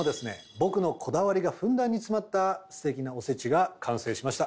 僕のこだわりがふんだんに詰まったステキなおせちが完成しました。